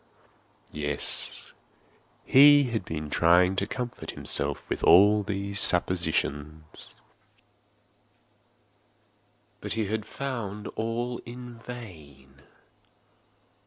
Yes, he had been trying to comfort himself with these suppositions: but he had found all in vain.